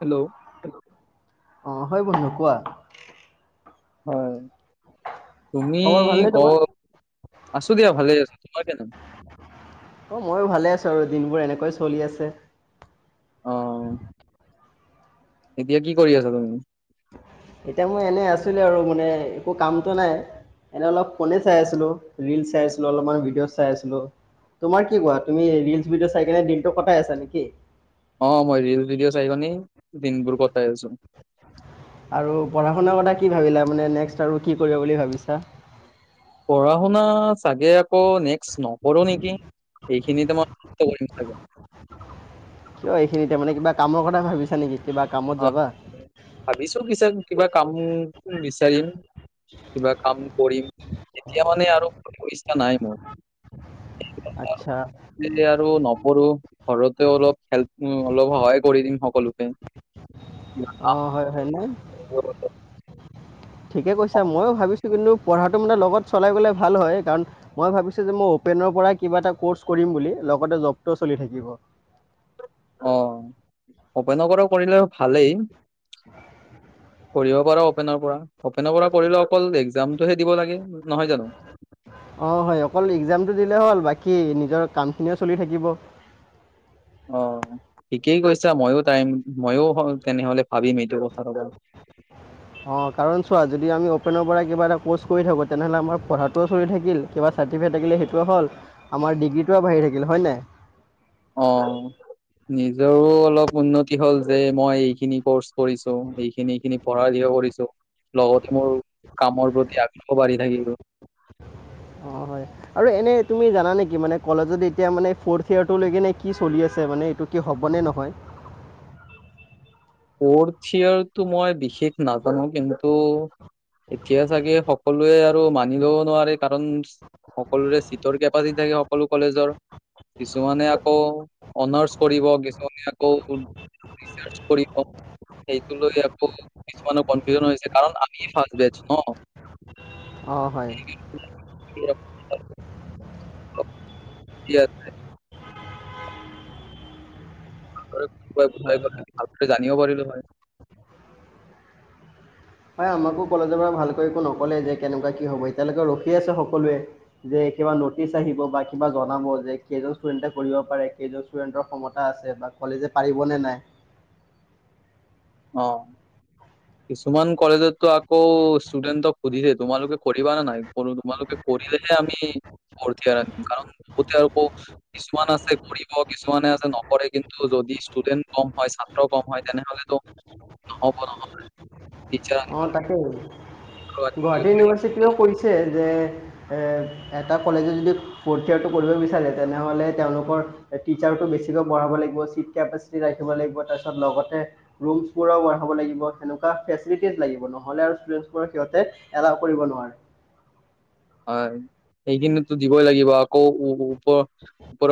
Hello অহ। হয় বন্ধু কোৱা। হয়। তুমি খবৰ ভালনে ক তোমাৰ আছো দিয়া ভালে আছো। হয় তেনো অ ময়ো ভালে আছো আৰু দিনবোৰ এনেকৈয় চলি আছে। অহ। এতিয়া কি কৰি আছা তুমি। এতিয়া মই এনে আছিলে। আৰু মানে একো কামতটো নাই এনে অলপ ফোনে চাই আছিলো ৰিলচ চাই আছিলো। অলপমান ভিডিঅ' চাই আছিলো। তোমাৰ কি কোৱা তুমি ৰিলচ ভিডিঅ চাই কিনে দিনত কটাই আছা নেকি। অ মই ৰিল ভডিঅ চাইল নি। আৰু পঢ়া শুনাৰ কথা। কি ভাবিলা মানে নেক্সট আৰু কি কৰিব বুলি ভাবিছা। পঢ়া শুনা চাগে আকৌ নেক্স। নকৰো নেকি এইখিনিতে মই কৰি থ। সিনিতি [unintelligible] মানে কামৰ কথা ভাবিচা নেকি কিবা কামত অ যাবা ভাবি চু কিছে [unintelligible] কিবা কাম বিচাৰিম কিবা কাম কৰিম এতিয়া মানে আৰু কৰিব ইচ্ছা নাই মোৰ আচ্ছা কৰো ঘৰতে অলপ খেল্প অলপ সহায় কৰি দিম সকলোকে কিবা কাম অঁ হয় হয়নে কৰিব। ঠিকে কৈছা মই ও ভাবিছো কিন্তু পঢ়াটো মানে লগত চলাই গলে ভাল হয় কাৰ মই ভাবিছো যে মই অপেনৰ পৰাই কিবা এটা কৰ্চ কৰিম বুলি লগতে জবটো চলি থাকিব অ উপেনপৰাও কৰিলে ভালেই [inaudible] পঢ়িব পাৰ অপেনৰ পৰা অপেনৰ পৰা পঢ়িলে অকল এক্জামতটোহে দিব লাগে নহয় জানো অ হয় অকল এক্জামতটো দিলে হ'ল বাকী নিজৰ কামখিনিও চলি থাকিব অ ঠিকেই কৈছা ময়ো টাইম ময়ো তেনেহলে ভাবিম এইটো কথাটোক অ কাৰণ চোৱা অপেনৰ পৰা কিবা এটা কচ কৰি থাকো তেতিয়া আমাৰ পঢ়াটো হৈ থাকিল [unintelligible] সেইটো হ'ল আমাৰ ডিগ্ৰীটো হৈ থাকিল হয় নাই অ নিজৰো অলপ উন্নতি হ'ল যে মই এইখিনি কৰ্চ কৰিছো এইখিনি এইখিনি পঢ়া কিলিয়াৰ কৰিছো লগতে মোৰ কামৰ প্ৰতি আগ্ৰহ বাঢ়ি থাকিব অ হয় আৰু এনে তুমি জানা নেকি মানে [unintelligible] এতিয়া কি চলি আছে [unintelligible] হ'ব নে নহয় ফৰ্থ ইয়ৰটো মই বিশেষ নাজানো কিন্তু এতিয়া চাগে সকলোৱে আৰু মানি লও নোৱাৰে কাৰণ সকলোৰে চিটৰ কেপাচিটি থাকে সকলো কলেজৰ কিছুমানে আকৌ অনাৰ্চ কৰিব কিছুমানে আকৌ ৰিচাৰ কৰিব সেইটো ল আকৌ কিছুমান কনফিউজন হৈছে কাৰণ আমি ফাৰ বেচ ন অঁ হয় [inaudible] [inaudible] ই‌য়াতে হয়। পূৱা গোটাই হয় খালে ভাল। জানিব পাৰিলোঁ হৈ। হয়, আমাকো কলেজৰ পৰা ভালকৈ একো নক'লে যে, কেনেকুৱা কি হ'ব? এতিয়ালৈকে ৰখি আছে সকলোৱে যে, কিবা নটিচ আহিব বা কিবা জনাব যে, কেইজন ষ্টুডেন্টে কৰিব পাৰে কেইজন ষ্টুডেন্টৰ ক্ষমতা আছে বা কলেজে পাৰিব নে নাই? অ কিছুমান কলেজততো আকৌ ষ্টুডেন্টক সুধিছে তোমালোকে কৰিবা নে নাই? তোমালোকে কৰিলেহে আমি ভৰ্তি আৰু আনিম, কাৰণ বহুতে আৰু কিছুমান আছে কৰিব, কিছুমানে আছে নকৰে, কিন্তু যদি ষ্টুডেন্ট কম হয় ছাত্ৰ কম হয়, তেনেহ'লেতো নহ'ব নহয়। টিচাৰ অ তাকেই আনিব লাগিব। গুৱাহাটী ইউনিভাৰ্চিটিও কৰিছে। যে, এ এটা কলেজে যদি পৰ্টিয়াৰটো কৰিব বিচাৰে তেনেহ'লে তেওঁলোকৰ এ টিছাৰটো বেছিকৈ পঢ়াব লাগিব চিট কেপাচিটি ৰাখিব লাগিব, লগতে ৰুলছ [unintelligible] হ'ব লাগিব সেনেকুৱা ফেচ প্ৰি টেষ্ট লাগিব নহ'লে আৰু [unintelligible] সিহঁতে এলাহ কৰিব নোৱাৰে। হয়। সেইখিনিতো দিবই লাগিব আকৌ ওপ ওপৰৰ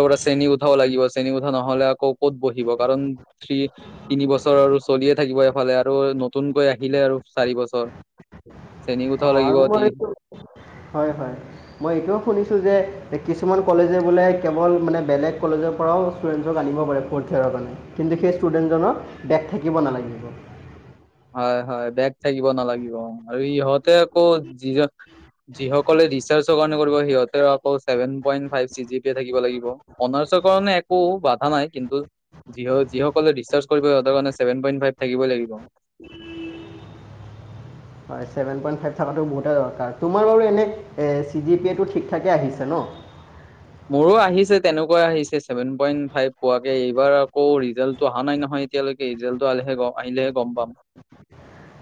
পৰা শ্ৰেণী কোঠাও লাগিব। শ্ৰেণী কোঠা নহ'লে আকৌ ক'ত বহিব কাৰণ থ্ৰি তিনি বছৰ আৰু চলিয়ে থাকিব এফালে আৰু নতুনকৈ আহিলে আৰু চাৰি বছৰ চেনি উঠাব অ লাগিব আৰু মানে তি- তু হয় হয়। মই এইটোও শুনিছোঁ যে, কিছুমান কলেজে বোলে কেৱল মানে বেলেগ কলেজৰ পৰাও ষ্টুডেণ্টক আনিব পাৰে ফ'ৰ্থ ইয়েৰ কাৰণে। কিন্তু সেই ষ্টুডেণ্টজনৰ বেগ থাকিব নালাগিব। হয় হয় বেগ থাকিব নালাগিব। আৰু ইহঁতে আকৌ যিজন যিসকলে ডিছচাৰ্জৰ কাৰণে কৰিব সিহঁতে আকৌ seven point five C G P থাকিব লাগিব। অনাৰ্চৰ কাৰণে একো বাধা নাই, কিন্তু যিসকলে ডিছচাৰ্জ কৰিব সিহঁতৰ ছেভেন পইণ্ট ফাইভ থাকিবই লাগিব। হয় ছেভেন পইণ্ট ফাইভ থকাটো বহুতে দৰকাৰ। তোমাৰ বাৰু এনে এ চি জি পি এইটো ঠিক ঠাকে আহিছে ন? মোৰো আহিছে তেনেকুৱাই আহিছে ছেভেন পইণ্ট ফাইভ পোৱাকে। এইবাৰ আকৌ ৰিজাল্টটো অহা নাই নহয় এতিয়ালৈকে ৰিজাল্টটো আহিলেহে গম পাম।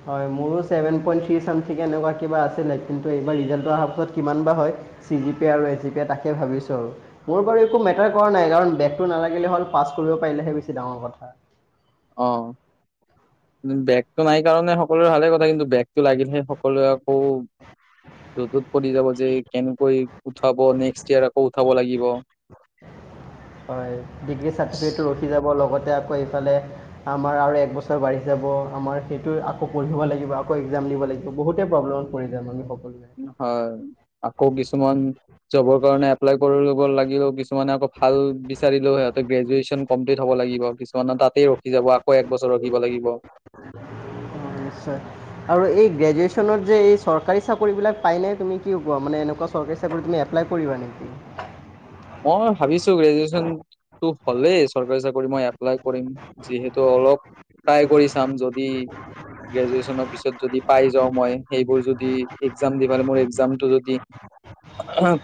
হয় মোৰো ছেভেন পইণ্ট থ্ৰী চামথিং এনেকুৱা কিবা আছিলে। কিন্তু এইবাৰ ৰিজাল্টো অহা পিছত কিমান বা হয়। চি জি পি আৰু এ জি পি তাকে ভাবিছোঁ আৰু। মোৰ বাৰু একো মেটাৰ কৰা নাই কাৰণ বেকটো নালাগিলে হ'ল। পাছ কৰিব পাৰিলেহে বেছি ডাঙৰ কথা। অ বেগটো নাই কাৰণে সকলোৰে ভালে কথা। কিন্তু বেগটো লাগিলেহে সকলোৱে আকৌ জোদত পৰি যাব যে, কেনেকৈ উঠাব, নেক্সট ইয়েৰ আকৌ উঠাব লাগিব। হয়। ডিগ্ৰী চাৰ্টিফিকেটটো ৰখি যাব লগত এতিয়া আকৌ এইফালে আমাৰ আৰু এক বছৰ বাঢ়ি যাব। আমাৰ সেইটো আকৌ পঢ়িব লাগিব, আকৌ এক্সাম দিব লাগিব, বহুতেই প্ৰব্লেমত পৰি যাম আমি সক হয়, আকৌ কিছুমান জবৰ কাৰণে এপ এপ্লাই কৰিব লাগিব, কিছুমানে আকৌ ভাল বিচাৰিলেও সিহঁতে গ্ৰেজুৱেশ্যন কমপ্লিট হ'ব লাগিব, কিছুমানে তাতেই ৰখি যাব আকৌ একবছৰ ৰখিব লাগিব। অঁ, নিশ্চয়। আৰু এই গ্ৰেজুৱেচনত যে এই চৰকাৰী চাকৰিবিলাক পায়নে? তুমি কি কোৱা মানে এনেকুৱা চৰকাৰী চাকৰি তুমি এপ্লাই কৰিবা নেকি? মই ভাবিছোঁ গ্ৰেজুৱেচন টো হ'লেই চৰকাৰী চাকৰি মই এপ্লাই কৰিম। যিহেতু অলপ ট্ৰাই কৰি চাম, যদি গ্ৰেজুৱেচনৰ পিছত যদি পাই যাওঁ মই, সেইবোৰ যদি এক্সজাম দিবাৰ মোৰ এক্সজামটো যদি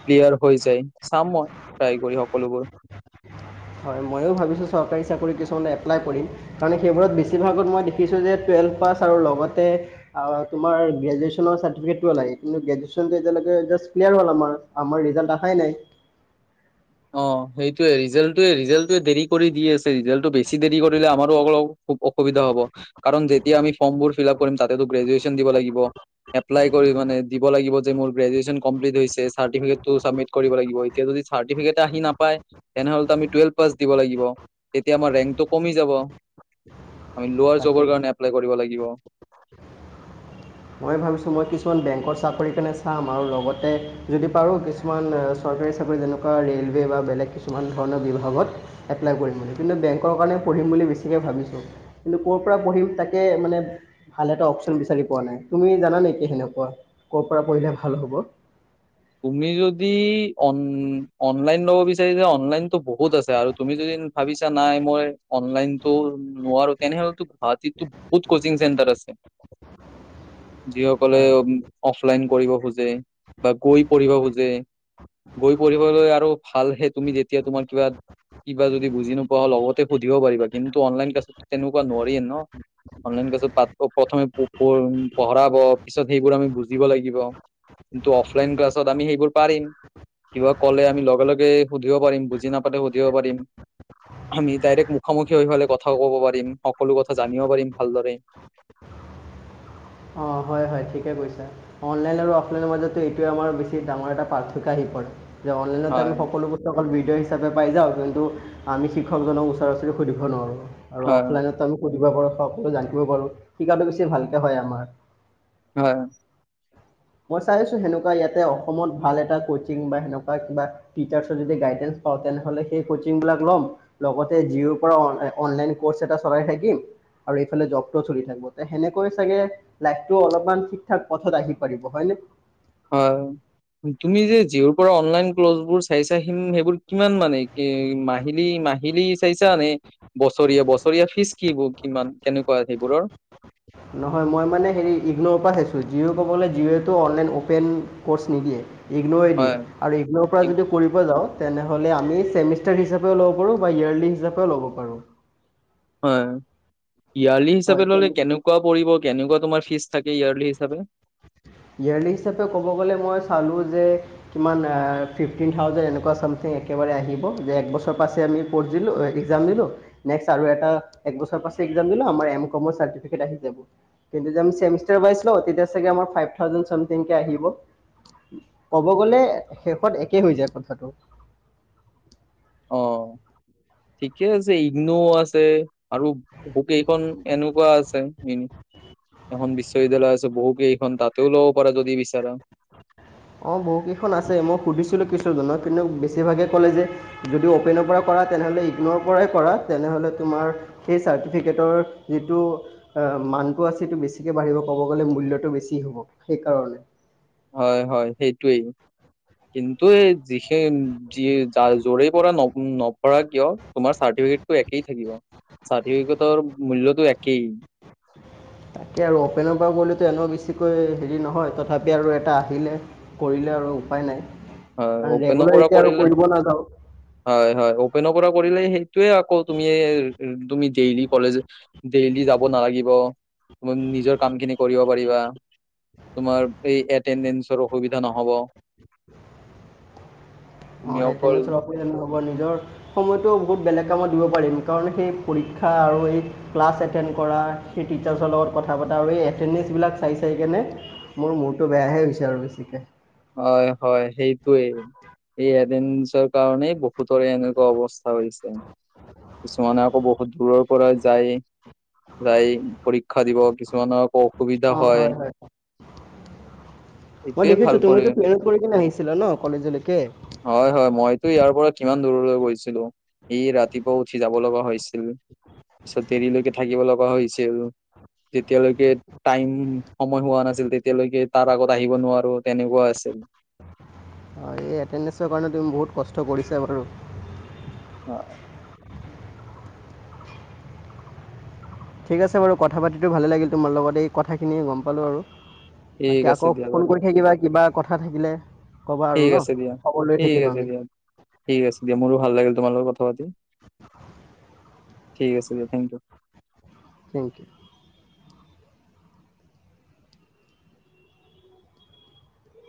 ক্লিয়াৰ হৈ যায় চাম মই ট্ৰাই কৰি সকলোবোৰ। মইয়ো ভাবিছোঁ চৰকাৰী চাকৰি কিছুমানত এপ্লাই কৰিম। তাৰমানে সেইবোৰত বেছি ভাগত মই দেখিছোঁ যে, টুয়েলভ পাছ আৰু লগতে আ‌ তোমাৰ গ্ৰেজুৱেচনৰ চাৰ্টিফিকেট কিয় লাগে, কিন্তু গ্ৰেজুৱেচন যে, এতিয়ালৈকে ক্লিয়াৰ হ'ল আমাৰ। আমাৰ ৰিজাল্ট অহাই নাই। অ সেইটোয়ে ৰিজাল্টোৱে ৰিজাল্টোৱে দেৰি কৰি দি আছে। ৰিজাল্টো বেছি দেৰি কৰিলে আমাৰ অলপ অ অসুবিধা হ'ব। কাৰণ যেতিয়া আমি ফৰ্মবোৰ ফিলাপ কৰিম তাতে তো গ্ৰেজুৱেচন দিব লাগিব। এপ্লাই কৰিবা নে দিব লাগিব যে মোৰ গ্ৰেজুৱেচন কমপ্লিট হৈছে চাৰ্টিফিকেট টো চাবমিট কৰিব লাগিব। এতিয়া যদি চাৰ্টিফিকেট আহি নাপায়, তেনেহ'লে টো আমি টুৱেলভ পাছ দিব লাগিব। তেতিয়া আমাৰ ৰেংকটো কমি যাব। আমি ল'ৱাৰ যোবৰ তাকে কাৰণে এপ্লাই কৰিব লাগিব। গিব মই ভাবিছোঁ মই কিছুমান বেংকৰ চাকৰিৰ কাৰণে চাম আৰু লগতে যদি পাৰোঁ কিছুমান চৰকাৰী চাকৰি যেনেকুৱা ৰে'লৱে বা বেলেগ কিছুমান ধৰণৰ বিভাগত এপ্লাই কৰিম বুলি, কিন্তু বেংকৰ কাৰণে পঢ়িম বুলি বেছিকৈ ভাবিছোঁ, কিন্তু ক'ৰ পৰা পঢ়িম তাকে মানে ভাল এটা অপচন বিচাৰি পোৱা নাই। তুমি জানা নেকি সেনেকুৱা ক'ৰ পৰা পঢ়িলে ভাল হ'ব? তুমি যদি অন অনলাইন ল'ব বিচাৰিছা অনলাইন বহুত আছে আৰু তুমি যদি ভাবিছা চা নাই মই অনলাইনতো নোৱাৰো তেনেহলেতো গুৱাহাটীততো বহুত কচিং চেণ্টাৰ আছে যিসকলে হয় উ অফলাইন কৰিব খোজে বা গৈ পঢ়িব খুজে গৈ পঢ়িবলৈ আৰু ভালহে তুমি যেতিয়া তোমাৰ কিবা কিবা যদি বুজি নোপোৱা লগতে সুধিব পাৰিবা। কিন্তু অনলাইন ক্লাছত তেনেকুৱা নোৱাৰি ন। অনলাইন ক্লাছত পা প্ৰথমে পঢ়াব পিছত সেইবোৰ আমি বুজিব লাগিব কিন্তু অফ- লাইন ক্লাছত আমি সেইবোৰ পাৰিম। কিবা ক'লে আমি লগে লগে সুধিব পাৰিম বুজি নাপালে সুধিব পাৰিম আমি ডাইৰেক্ট মুখামুখি হৈ কথা ক'ব পাৰিম সকলো কথা জানিব পাৰিম ভালদৰে। অঁ হয় হয় ঠিকে কৈছা। অনলাইন আৰু অফলাইনৰ মাজতো এইটোৱে আমাৰ বেছি ডাঙৰ এটা পাৰ্থক্য আহি পৰে। যে অনলাইনতে আমি হয় সকলো বস্তু অকল বি- ভিডিঅ' হিচাপে পাই যাওঁ। কিন্তু আমি শিক্ষকজনক ওচৰা ওচৰি সুধিব নোৱাৰোঁ। আৰু হয় অফলাইনত আমি শিকিব পাৰো চব সকলো জানিব পাৰো শিকাটো বেছি ভালকে হয় আমাৰ। হয় মই চাইছো সেনেকুৱা ইয়াতে অসমত ভাল এটা কচিং বা সেনেকুৱা কিবা টিচাৰ্চৰ যদি গাইডেঞ্চ পাওঁ তেনেহলে সেই কচিং বিলাক ল'ম। লগতে জিঅ'ৰ পৰা অনলাইন কৰ্চ এটা চলাই থাকিম। আৰু এইফালে জবটো চলি থাকিব সেনেকৈ চাগে- লাইভটো অলপমান ঠিক ঠাক পথত আহি পৰিব হয় নে হয় তুমি যে জিঅ'ৰ পৰা অনলাইন ক্লজবোৰ চাই চা হিন সেইবোৰ কিমান মানে এ মাহিলী মাহিলী চাইছানে বছৰীয়া বছৰীয়া ফিজ কি ব নহয় মই মানে হেৰি ইগনৰৰ পৰা চাইছো ত জিঅ' কবলে জিঅ'য়েটো অনলাইন অপেন ক'ৰ্চ নিদিয়ে ইগনৰে হয় দিয়ে আৰু ইগনৰ পৰা এই- যদি কৰিব যাওঁ তেনেহ'লে আমি ছেমিষ্টাৰ হিচাপেও ল'ব পাৰো বা ইয়েৰ্লি হিচাপেও ল'ব পাৰো হয় ইয়াৰ্লি হিচাপে ল'লে হয় কেনেকোৱা পৰিব কেনেকোৱা তোমাৰ ফিজ থাকে ইয়াৰ্লি হি চাবে ইয়েৰলি হিচাপে কব গলে মই চালো যে কিমান এ ফিফটিন থাউজেণ্ড এনেকোৱা চামথিং একেবাৰে আহিব যে একবছৰ পাছে আমি পৰ্টচ দিলো এ এক্সাম দিলো নেক্সট আৰু এটা এক বছৰ পিছত এক্সাম দিলো আমাৰ এম কমৰ চাৰ্টিফিকেট আহি যাব কিন্তু যদি আমি ছেমিষ্টাৰ ৱাইজ লও তেতিয়া ছাগে আমাৰ ফাইফ থাউজেণ্ড চামথিং কে আহিব ক'ব গলে শেষত একে হৈ যায় কথাটো অ ঠিকে আছে ইগনো আছে আৰু বোকেইখন এনেকোৱা আছে এ এখন বিশ্ববিদ্যালয় আছে বহুকেই তাতেও ল'ব পাৰা যদি বিচাৰা অ বহুকেইখন আছে মই সুধিছিলো কিছুজনক কিন্তু বেছিভাগে কলে যে যদি অপেনৰ কৰা তেনেহলে ইগনৰ পৰাই কৰা তেনেহলে তোমাৰ সেই চাৰ্টিফিকেটৰ যিটো মানটো আছে সেইটো বেছিকে বাঢ়িব পাব কিন্তু মূল্যটো বেছি হব সেইকাৰণে হয় হয় সেইটোৱেই কিন্তু এই যি য যৰে পৰা নকৰা কিয় তোমাৰ চাৰ্টিফিকেটতো একেই থাকিব চাৰ্টিফিকেটৰ মূল্যটো একেই তাকে আৰু অপেনৰ পৰা গ'লেতো এনে বেছিকৈ হেৰি নহয় তথাপি আৰু এটা আহিলে কৰিলে আৰু উপায় নাই হয় কাৰণ অপেনৰ ৰেগুলাৰ পৰা এতিয়া আৰু কৰিলে কৰিব নাযাওঁ হয় হয় অপেনৰ পৰা কৰিলেই সেই টোয়ে আকৌ তুমি তুমি ডেইলি কলেজ ডেইলি যাব নালাগিব নিজৰ কামখিনি কৰিব পাৰিবা তোমাৰ এই এত এটেণ্ডেঞ্চৰ অসুবিধা নহ'ব অ তুমি এ অকল তেনে ধৰা পই পইচা নহ'ব নিজৰ সময়টো বহুত বেলেগ কামত দিব পাৰিম কাৰণ সেই পৰীক্ষা আৰু এই ক্লাছ এটেণ্ড কৰা সেই টিচাৰছৰ লগত কথা পতা আৰু এই এটেণ্ডেঞ্চবিলাক চাই চাই কেনে মোৰ মূৰটো বেয়াহে হৈছে আৰু বেছিকে হয় হয় সেইটোৱেই এই এণ্টেডেঞ্চৰৰ কাৰণেই বহুতৰে এনেকোৱা অৱস্থা হৈছে কিছুমানে আকৌ বহুত দূৰৰ পৰা যায় যায়ে পৰীক্ষা দিব কিছুমানৰ আকৌ অসুবিধা হয় মই এইটোয়ে ভাল দেখিছোঁ তুমিতো কৰিম ট্ৰেইনত কৰি কিনে আহিছিলা ন কলেজলৈকে হয় হয় মইতো ইয়াৰ পৰা কিমান দূৰলৈ গৈছো তেনেকোৱা ই ৰাতিপুৱা উঠি যাব লগা হৈছিল পিছত দেৰিলৈকে থাকিব লগা হৈছিল তেতিয়ালৈকে টাইম সময় হোৱা নাছিল তেতিয়ালৈকে তাৰ আগত আহিব নোৱাৰা অ এই এণ্টেডেঞ্চৰ কাৰণে তুমি বহুত কষ্ট কৰিছা বাৰু অ ঠিক আছে বাৰু কথা পাতিটো ভালে লাগিল তোমাৰ লগত এই কথাখিনিয়ে গম পালোঁ আৰু ঠিক বাকী আছে আকৌ দিয়া ফোন বাৰু কৰি থাকিবা কিবা কথা থাকিলে ক'বা আৰু ঠিক ন আছে দিয়া খবৰ লৈ ঠিক থাকিম আছে আমি দিয়া ঠিক আছে দিয়া মোৰো ভাল লাগিল তোমাৰ লগৰ ক হ দ [unintelligible] ঠিক আছে দিয়া থেংক ইউ থেংক ইউ